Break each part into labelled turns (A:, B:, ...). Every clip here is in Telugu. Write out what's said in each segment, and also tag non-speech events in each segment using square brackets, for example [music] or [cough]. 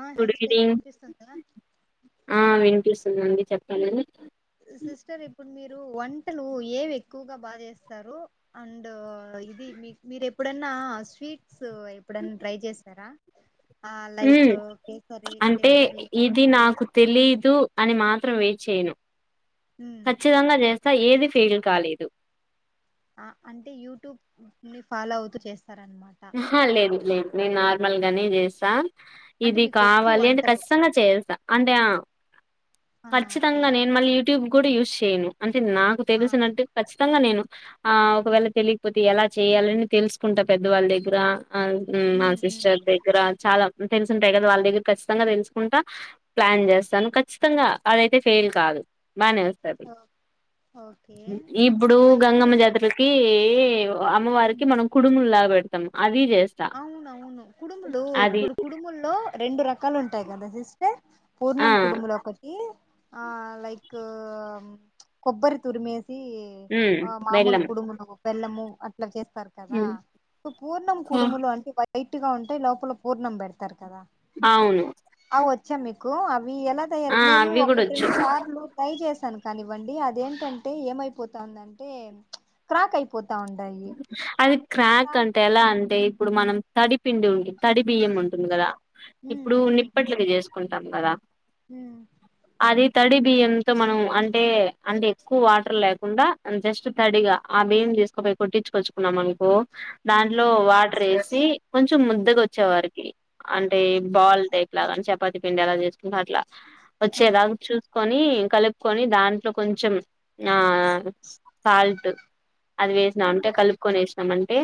A: ఆ హాయ్
B: గుడ్
A: సిస్టర్
B: ఈనింగ్
A: వినిపిస్తుందా
B: ఆ వినిపిస్తుందండి చెప్పాలని
A: సిస్టర్ ఇప్పుడు మీరు వంటలు ఏవి ఎక్కువగా బాగా చేస్తారు అండ్ ఇది మీ మీరు ఎప్పుడన్నా స్వీట్స్ ఎప్పుడన్నా ట్రై చేసరా ఆ లైక్
B: ఉమ్
A: కేసరి
B: అంటే
A: కేసరి
B: ఇది
A: లడ్డు
B: నాకు తెలీదు అని మాత్రం వెయిట్ చేయ్యను
A: ఉమ్
B: ఖచ్చితంగా చేస్త అ ఏది ఫైల్ కాలేదు
A: అ అంటే యూట్యూబ్ ని ఫాలో అవుతూ చేస్తున్నా
B: హ లేదు లేదు నేను నార్మల్ గానే చేసా
A: అంటే
B: ఇది
A: మీకు వచ్చు
B: కావాలి
A: వంటలు
B: కచ్చితంగా చేస్తా అంటే
A: ఆహా ఓకే
B: ఖచ్చితంగా నేను మళ్లీ యుట్యూబ్ కూడా యూస్ చెయ్యను నాకు
A: ఆ
B: తెలిసినట్టు కచ్ నిజంగా నేను ఒకవేళ తెలియకపోతే తెలుసుకుంటా పెద్ద వాళ్ళ దగ్గర ఇరా ఆ మ
A: ఉమ్ ఉమ్
B: సిస్టర్ పె చాలా తెలుసుంటాయి కదా వాళ్ళ దగ్గర ఖచ్చితంగా తెలుసుకుంటా ప్లాన్ చేస్తాను ఖచ్చితంగా అదైతే ఫెయిల్ కాదు. బానే వెస్తారు
A: ఓ- ఓకే
B: ఇప్పుడు
A: ఆ ఇప్పుడు
B: గంగమ్మ జాతరకి అమ్మవారికి
A: ఉమ్
B: మనం కుడుము లా పెడ్ అ
A: అవునవును కుడుములో
B: అది
A: ఇప్పుడు కుడుముల్లో. రెండు రకాలు ఉంటాయి కదా సిస్టర్
B: ఆ
A: పూర్ణం కుడుములు ఆ లైక్ కొబ్బరి తురుము వేసి వేసి
B: హ్మ్
A: ఆ మామూలు
B: బెల్లం
A: కుడుములు బెల్లము చేస్తారు కదా
B: హ్మ్.
A: పూర్ణం
B: ఆ!
A: కుడుములు అంటే వెరైటీగా ఉంటాయి లోపల పూర్ణం పెడతారు కదా
B: అవును
A: అ వచ్చా మీకు ఆం అవి ఎలా తయారు
B: ఆ
A: నేను
B: అవి కూడా
A: ఒకటి
B: వచ్చు.
A: రెండు సార్లు ట్రై చేసాను కానివ్వండి అది ఏంటంటే ఏమైపోతందంటే క్రాక్ అయిపోతుంది
B: అది క్రాక్ అంటే ఎలా అంటే ఇప్పుడు మనం తడి పిండి ఉన్ తడి బియ్యం ఉంటుంది కదా ఇప్పుడు నిప్పట్లకి చేస్. కుంటాం కదా.
A: మ్
B: అది తడి బియ్యంతో మనం అంటే అంటే ఏక్కో వాటర్ లేకుండా అండ్ జస్ట్ తడిగా ఆ బియ్యం తీస్కా పోయి కొట్టిచూకచుకున్నాం అనుకో దాంట్లో
A: ఉమ్
B: వాటర్ వేసి ది కొంచెం ముద్దగా వచ్చే వారికి అంటే
A: ఉమ్.
B: బాల్ టైప్ అలాగాని చపాతి పిండి ఎలా చేసుకుంటా అట్లా
A: ఆ
B: వచ్చేలాగ చూ కొని కలుపుకొని దాంట్లో కొంచెం ఆ సాల్ట్ నా అంటే కలుపు కొనేసి నమంటే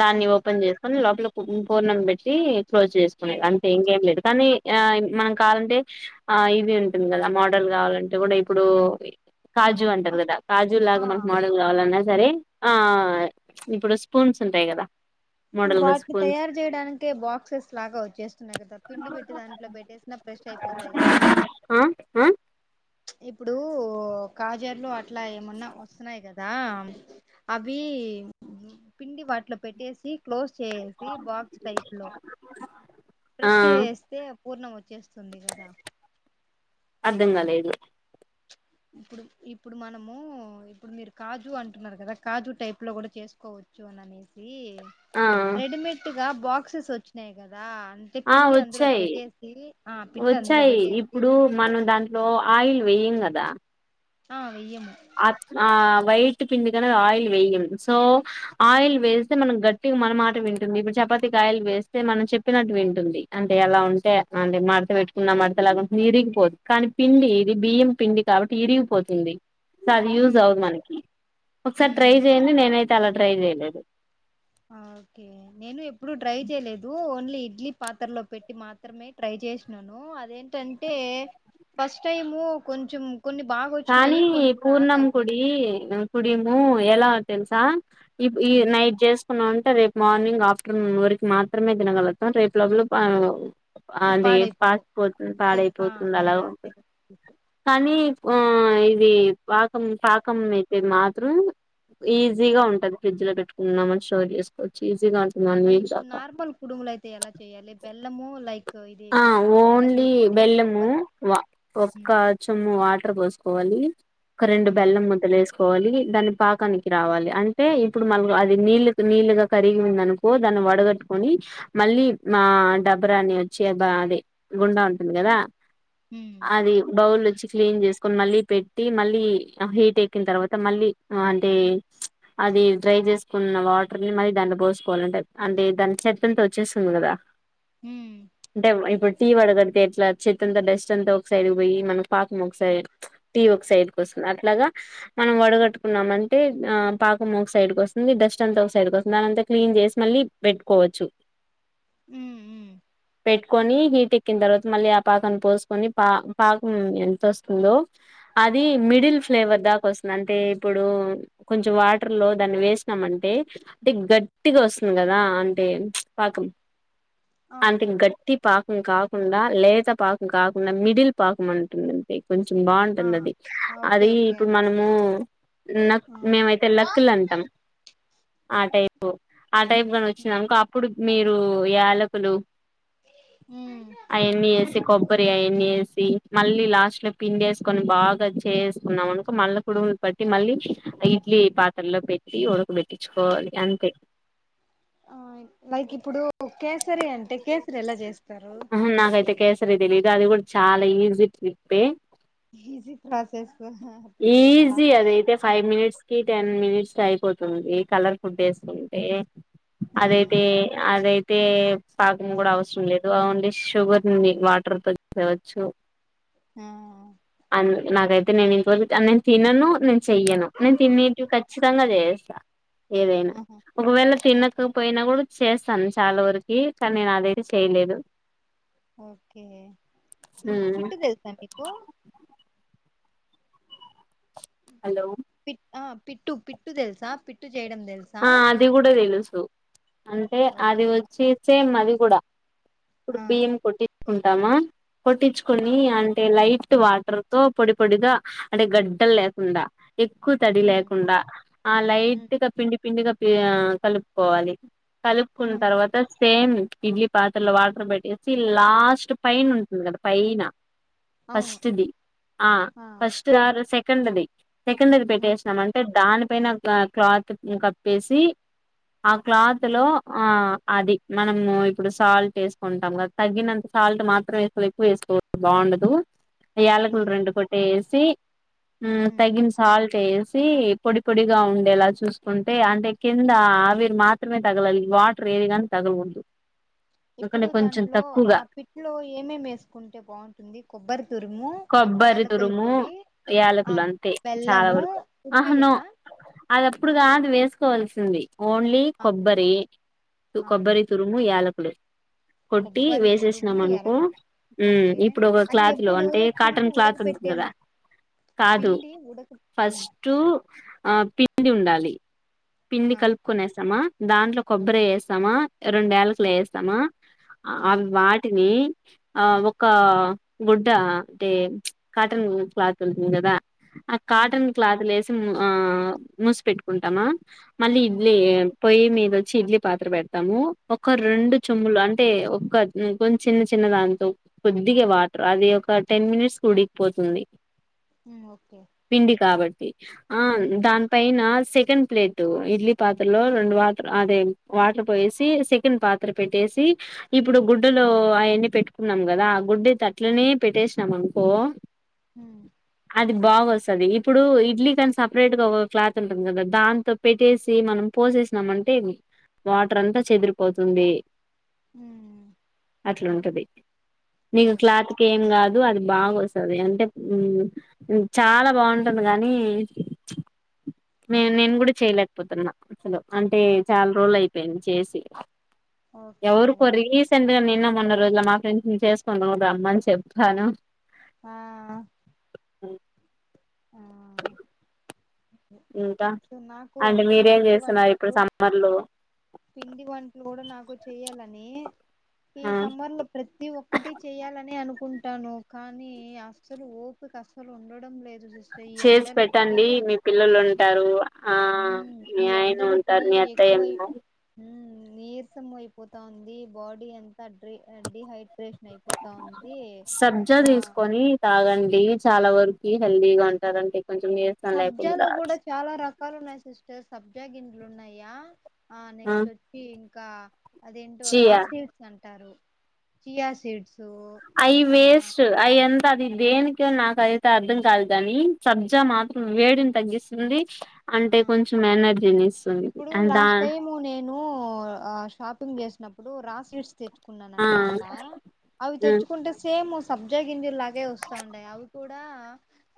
B: దాన్ని
A: ఉమ్.
B: ఓపెన్ చేసుకొని లోపల ఓ పూర్ణం పెట్టి క్లోజ్ చేసుకునేది అంటే ఇంకం లేదు కానీ ఆ మనం కావాలంటే ఆ ఇది ఉంటుంది కదా మోడల్ కావాలంటే కూడా ఇప్పుడు కాజు
A: ఆ
B: అంటారు కదా కాజు
A: ఆ
B: లాగా మనకు మోడలు కావాలన్నా సరే ఆ ఇప్పుడు స్పూన్స్ ఉంటాయి కదా
A: ఇప్పుడు
B: మోడల్ గా
A: వాటిని
B: స్పూన్స్
A: తయారు చేయడానికే బాక్సెస్ లాగా వచ్చేస్తున్నాయి కదా పిండి పెట్టి దాంట్లో పెట్టేసినా ఫ్రెష్ అయిపోతాయి కదా
B: ఆ ఆ
A: ఇప్పుడు కాజర్లు అట్లా ఏమన్నా వస్తున్నాయి కదా అవి పిండి వాటిలో పెట్టేసి క్లోజ్ చేేసి బాక్స్ టైప్ లో
B: ఆ
A: ప్రెస్ చేసేస్తే పూర్ణం వచ్చేస్తుంది కదా
B: అర్థం కాలేదు
A: ఇప్ ఇప్పుడు మనము ఇప్పుడు మీరు కాజు అంటున్నారు కదా కాజు టైప్ లో కూడా చేసుకోవచ్చు అని అనేసి
B: ఆ
A: రెడిమేట్గా బాక్సెస్ వచ్చినాయి కదా అంటే
B: ఆ
A: పిండి అందులో
B: వచ్చాయి
A: పెట్టేసి ఆ పిండి అందులో
B: వచ్చాయి
A: పెట్టేసి
B: వెయ్యంగదా
A: అవును
B: ఆ ఆ వైట్ ట్టి పిండి కన ఆయిల్ వేయం సో ఆయిల్ వేస్తే మనం గట్టిగా మనమాట వింటుంది ఇప్పుడు చపాతికి ఆయిల్ వేస్తే మనం చెప్పినట్టు వింటుంది అంటే ఎలా ఉంటే అంటే మడత పెట్టుకున్న మడత ఎలాగాంటు ఇరిగిపోదు కానీ పిండి ఇది బియ్యం పిండి కాబట్టి ఇరిగిపోతుంది సార్ అది యూజ్
A: ఉమ్
B: అవదు మనకి ఒకసారి ట్రై
A: ఉమ్
B: చేయండి నేనైతే అలా ట్రై చేయలేదు
A: ఓకే నేను ఎప్పుడు ట్రై చేయలేదు ఓన్లీ ఇడ్లీ పాత్రలో పెట్టి మాత్రమే ట్రై చేసినాను అదేంటంటే ఫస్ట్ టైము కొంచెం కొన్ని బాగా వచ్చినాయి
B: కానీ
A: కొన్ని రాక
B: పూర్ణం
A: అయిపోయినాయి
B: కుడి కుడిము ము ఎలా తెలుసా ఇ ఈ
A: ఉమ్
B: నైట్ చేసు న్నా అంటే రేపు మార్నింగ్ ఆఫ్టర్నూన్ వరకు మాత్రమే తినగలుగుతాం రేపు లోలల
A: ఈ
B: అదే
A: పాడైపోతాయి
B: పాస్పోతుంది
A: తెలు ఆ
B: పాడైపోతుంది
A: యా
B: అలా
A: యా
B: ఉంటుంది
A: తెలుసు తెలుసు.
B: కానీ ఇది పాకం పాకం అయితే మాత్రం ఈజీగా ఉంటది ఫ్రిడ్జ్ లో పెట్టుకుంటన్నామని స్టోర్ చేసుకోవచ్చు ఈజీగా ఉు
A: ఇప్పుడు నార్మల్ కుడుములు అయితే ఎలా చెయాలి బెల్లము లైక్ ఇది
B: ఆ
A: యా యాలకుల
B: ఓన్లీ
A: పొడి
B: బెల్లము
A: కొబ్బరి
B: ఒక్క
A: ఉమ్
B: చొమ్ము వాటర్ పోసుకోవాలి ఒకరెండు
A: హ్మ్
B: బెల్లం ముద్దులు వేస్ కోవాలి దాన్ని పాకానికి రావాలి అంటే ఇప్పుడు మళ్ అది నీళ్లు నీళ్లుగా కరిగి ఉంది అనుకో దాన్ని వడగట్టుకొని మళ్ళీ ఆ డబ్బరా అని చబా అది గుండా ఉంటుంది కదా
A: హ్మ్
B: అది బౌల్ వచ్చి క్లీన్ చేస్త ని మళ్ళీ పెట్టి మళ్ళీ హీట్ ఎక్కిన తర్వాత మళ్ళీ అంటే అది డ్రై చేసుకున్న వాటర్ని మళ్ళీ దాన్ని పోసుకోవాలంట అంటే దాని చెత్తంట వచ్చేస్తుంది కదా
A: ఉమ్
B: అంటే ఇప్పుడు టీ వడగడిగి ఎట్లా చెత్త అంతా డస్ట్ అంతా ఒక సైడ్ పోయి మనం పాకం ఒకసైడ్ టీ ఒక సైడ్ కోస్తుంది అట్లాగా మనం వడగట్టుకున్నామ అంటే ఆ పాకం ఒక సైడ్కి వస్తుంది డస్ట్ అంత ఒక సైడ్ వస్తుంది దానింతా క్లీన్ చేసి మళ్ళీ పెట్టుకోవచ్చు
A: ఉమ్
B: పెట్టుకొని హీట్ ఎక్కిన తర్వాత మళ్ళీ ఆ పాకన్ని పోసుకొని పా పాకం ఎంత వస్తుందో అది మిడిల్ ఫ్లేవర్ దాకా వస్తుంది అంటే ఇప్పుడు కొంచం వాటర్ లో దాన్ని వేసినాం అంటే అంటే గట్టిగా వస్తుంది కదా అంటే పాకం
A: ఆ
B: అంతే గట్ పాకం కాకుండా లేత పాకం కాకుండా మిడిల్ పాకం అంటుందండి కొంచెం
A: ఆ
B: బాగుంటుంది అది
A: ఆ ఓకే
B: అది
A: ఓకే
B: ఇప్పుడు
A: అర్థమైంది
B: మనము నక్
A: ఆ
B: మేమైతే లకులు అంటాం ఆ టైపు ఆ టైప్ గాని వచ్చింది అనుకో అప్పుడు మీరు యాలకులు
A: హ్మ్
B: అయన్ని ఏసి కొ ఉబరి అయన్న వేసి మళ్ళీ లాస్ట్ లో పిండి వేసుకొని బాగా చేేసుకున్నాం అనుక మళ్ళీ కుడువులు పట్టి మళ్ళీ ఇడ్లీ పాత్రలో పెట్టి ఉడకబెట్టించుకోవాలి అంతే
A: ఆ లైక్ ఇప్పుడు కేసరి అంటే కేసరి ఎలా చేస్
B: ఉహు నాకైతే కేస్ సరీ తెలీదు అది కూడా చాలా ఈజీ ట్రిప్పే
A: ఈజీ ప్రాస్
B: ఈజీ అదైతే ఫైవ్ మినిట్స్ కి టెన్ మినిట్స్ అయిపోతుంది కలర్ ఫుడ్ వేసుకుంటే
A: ఆ
B: అదైతే అదయిత్ టే పాకం కూడా అవసరం లేదు ఓన్లీ షుగర్ నుండి వాటర్ తో చేవచ్చు
A: ఆ
B: నా దైత్ తే నేను ఇంకో నేను తినను నేను చెయ్యను నేను తినేటివి ఖచ్చితంగా చేయస్తా ఏదైనా
A: ఆహా
B: ఒకవేళ
A: ఆ
B: తినకపోయినా కూడా చేస్తాను చాలా వరకి కానీ నేను అదైతే చేయలేదు
A: ఓకే పిట్టు తెలుసా నీకు
B: హలో
A: పి ఆ పిట్టు పిట్టు తెలుసా పిట్టు చేయడం తెలుసా
B: ఆ అది కూడా తెలుసు అంటే అది
A: ఓకే
B: వచ్చి సేమ్ అది కూడ ఇప్పుడు
A: ఆ
B: బియ్యం కొట్టి [unintelligible] టమ
A: ఆ
B: కొట్టించుకొని అంటే లైట్ వాటర్ తో పొడి పొడిగా అంటే గడ్డలు లేకుండా ఎక్కువ తడి
A: హ్మ్
B: లేకుండా ఆ
A: హ్మ్
B: లైట్గా పిండి పిండిగా పియ కలుపుకోవాలి కలుపుకున్న
A: హ్మ్
B: తర్వాత సేమ్ ఇడ్లీ పాత్రలో వాటర్ పెట్టేసి లాస్ట్ పైన ఉంటుంది కదా పైన
A: అవును
B: ఫస్ట్ ది ఆ ఫస్ట్ కాదు సె కండ్ ది సెకండ్ మీది పెట్టేసినాం అంటే దాని పైన క్లా క్లాత్ ఇంకా వేసి ఆ క్లాత్
A: హ్మ్
B: లో ఆ అది మనము ఇప్పుడు సాల్ట్ వేసుకుంటాం కదా తగ్గినంత సాల్ట్ మాత్రం అసలు ఎక్కువ వేసుకో వద్దు బాగుండదు యాలకులు
A: హ్మ్
B: రెండు కొటెస్ చి హు
A: హ్మ్
B: తగిన సాల్ట్ ఏసు సి పొడి పొడిగా ఉండేలా చూసుకుం అంటే అంటే కింద ఆవిరి మాత్రమే తగలాలి వాటర్ ఏది కానీ తగలకూడదు.
A: ఇప్పుడు
B: ఎందుకంటే కొంచెం
A: దాంట్లో ఆ
B: తక్కువగా
A: పిట్లో ఏమేమి వేసుకుంటే బావుంటుంది. కొబ్బరి తురుము,
B: కొబ్బరి
A: ఏలకల
B: తురుము
A: పొడి, ఆ
B: యాలకులు అంతే చాలా
A: బెల్లము,
B: వరకు ఆహా నో
A: ఉప్పేయలా
B: అది అప్పుడుగాదు. వేసుకోవాల్సింది. ఓన్లీ
A: ఆ
B: కొబ్బరి
A: ఆ
B: కొబ్బరి తురుము, యాలకు అప్పుడే కొట్టి
A: కొబ్బరి
B: వేసేసినాం
A: తురుము
B: అనుకో
A: యాలకులు
B: హ్
A: ఓకే
B: ఇప్పుడు ఒక
A: అది
B: క్లాత్ లో
A: ఎప్పుడు
B: అంటే కాటన్
A: పిండి ఉడక
B: క్లాత్ ఉంటుంది
A: పెట్టే
B: కదా. కాదు
A: పిండి ఉడక ఉమ్
B: ఫస్టు ఆ పిండి ఉండాలి. పిండి
A: ఆ
B: కలుపుకొనేసామా, దాంట్లో కొబ్బరి వేేసామా, రెండు ఏకలు
A: ఉమ్
B: వేేస్తామా
A: ఉమ్
B: అవి వాటిని ఆ
A: ఉమ్
B: ఒక గుడ్డా అంటే కాటన్ క్లాత్ ఉంటుంది కదా. ఆ
A: ఉమ్
B: కాటన్ క్లాత్లేసి హుమ్ ఆ మూసి పెట్టుకుంటామా. ఆ మళ్ళీ
A: ఉమ్
B: ఇడ్లీయే పొయ్యి మీద వచ్చి ఇడ్లీ పాత్ర పెడతాము. ఒక
A: ఉమ్
B: రెండు
A: ఉమ్,
B: చెంబులు అం అంటే ఒక కొంచ చిన్న చిన్న దాంతో కొద్దిగా వాటర్ అది ఒక టెన్ మినిట్స్ ఉడికిపోతుంది.
A: హ్ ఓకే
B: తీ ఆ
A: ఉమ్
B: దానిపైన సెకండ్ ప్లేట్ టు ఇడ్లీ పాత్రలో రెండు వాటర్ అదే వాటర్ పోయేసి, సెకండ్ పాత్ర పెట్టేసి ఇప్పుడు గుడ్డలో అయ్యన్నీ పెట్టుకున్నాం కదా, ఆ గుడ్డ అట్లనే పెట్టేసినాం అనుకో
A: హ
B: అది బాగా వస్తది ఇప్పుడు ఇడ్లీ కనీ సపరేట్గా క్లాత్ ఉంటుంది కదా దాంతో పెట్టేసి మనం పోసేసినామ్ అంటే వాటర్ అంతా చెదిరిపోతుంది.
A: హ్
B: అట్లుంటది. నీకు క్లాత్కి ఏం కాదు. అద్దు అది బాగవస్తది అంటే ఉం చాలా బావుంటుంది కానీ చ్ నే నేను కూడా చేయలేకపోతున్నా అసలు. అంటే
A: ఆ
B: చాలా రోజులు అయి పెంచేసి
A: ఓకే
B: ఎవరు కొరిగెసెన్ దు నిన్న మొన్న రోజుల మా ఫ్రెండ్స్ చేసుకొని రమ్మని చెప్పాను.
A: ఆ
B: ఉమ్
A: ఆ
B: ఇంకా
A: సో నాకు
B: అంటే
A: వంట
B: మీరేం
A: పిండి
B: చేస్తున్నారు ఇప్పుడు
A: వంటలు
B: సమ్మర్లొ
A: పిండి వంటలు కూడా నాకు చెయ్యాలని ఈ
B: ఆ
A: సమ్మర్ లో ప్రతి ఒక్కటి చెయ్యాలని అనుకు కుంటాను కానీ అసలు ఓపిక అసలు ఉండడం లేదు సిస్టర్ ఈ
B: చేసి
A: ఎండలకి
B: పెట్టండి మీ పిల్లలు ఉంటారు ఆ
A: ఉమ్
B: మీ
A: ఈ
B: ఆయన
A: ఎండలకి
B: ఉంటారు మీ అత్తయ్య
A: ఎక్కువై
B: ఉం
A: నీరసం అయిపోతా ఉంది బాడీ ఎంత డిహైట్
B: సబ్జా
A: ఆ
B: తీసుకొని తాగండి చాలా వరకు హెల్దీగా ఉంటారండి
A: సబ్జలో కూడా చాలా రకాలు ఉన్నాయి సిస్టర్స్ సబ్జా గింజలు ఉన్నాయా ఆ నెక్స్ట్ వచ్చి ఇంకా అదేంటో
B: చియా
A: రాసీడ్స్ అం చియా సీడ్స్
B: ఐ
A: ఆ
B: వేస్ట్ అయిఅం తఅది దేనికి నాకైతే అర్థం కాదు కానీ సబ్జా మాత్రం వేడిని తగ్గిస్తుంది అంటే కొంచెం ఎనర్జీనిస్
A: ఇప్పుడు లాస్ట్ టైము నెన్ నువ్వూ ఆ షాపింగ్ చేసినప్పుడు రా సీడ్స్ తెచ్చు కున్నా
B: ఆ
A: అనమాట అవి తెచ్చుకుంటే సేమ్ వ సబ్జా గింజ ల్లాగే వస్తా ఉంటాయి అవి కూడా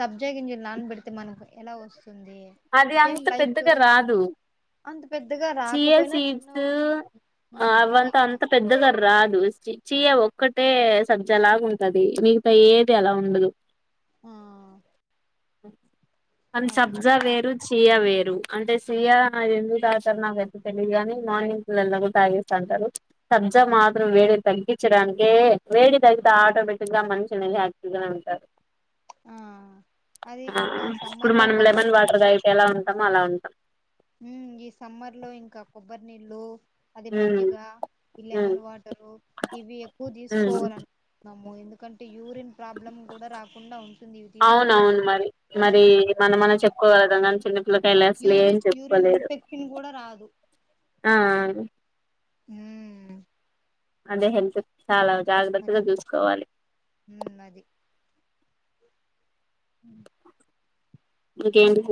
A: సబ్జా గింజలు నానబెడితే మనకు ఎలా వస్త
B: అది అంత పెద్దగా రాదు
A: అంత పెద్దగా
B: చీయ
A: రాకపోయినా చిన్న
B: సీడ్స్
A: ఉమ్ చ
B: అవంతా అంత పెద్దగా రాదు చీయ ఒక్కటే సబ్జి అలాగ ఉంటది మిగతా ఏది అలా ఉండదు
A: ఆ
B: అని
A: అది
B: సబ్ ది
A: ఆ
B: వేరు చియా వేరు అంటే సియ ఎందుకు తాగుతారొ నాకు అంత తెలియదు గాని మార్నింగ్గ్స్ఎలాగొ తాగెస్తాంటారు సబ్జా మాత్రం వేడి తగ్గించడానికే వేడి తగ్గితే ఆటోమేటిక్ గా మనిషిని యాక్టివ్ గానే ఉంటారు
A: ఆ అది ఇంకా
B: మ్ ఇపుడు
A: సమ్మర్ లో
B: మనం లె మ
A: కొబ్బరి
B: రి వాటర్
A: నీళ్ళు
B: తాగితే ఎలా ఉంటామో అలా ఉం
A: ఉమ్ ఈ సమ్మర్ లో ఇంకా కొబ్బరి నీళ్లు అది
B: ఉమ్
A: మజ్జిగ
B: ఉమ్
A: లెమన్ వాటరు ఇవి ఎక్కువ
B: ఉమ్
A: తీసుకోవాల అనుకుంటున్నాను మో ఎందుకంటే యూరిన్ ప్రాబ్లం కూడా రాకుండా ఉంటుంది ఇవి తీసుకుంటా
B: అవునవును
A: ఉంటాం
B: మరి
A: అనుకో
B: మరి
A: ఆ
B: ళ అసలు ఏం
A: యూరిన్ యూరిన్
B: చెప్పుకోలేరు
A: ఇన్ఫెక్షన్ కూడా రాదు
B: ఆ
A: మ్మ్
B: అదే హెల్త్ చాలా జాగ్రత్తగా చూసుకోవాలి
A: ఉమ్ మ్మ్
B: ఇంకేంటి పుస్